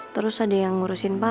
terus ada yang ngurusin pak